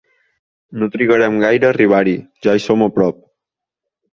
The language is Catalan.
No trigarem gaire a arribar-hi: ja hi som a prop.